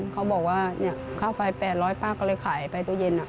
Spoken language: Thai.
เขาบอกว่าค่าไฟ๘๐๐ป้าก็เลยขายไปตู้เย็น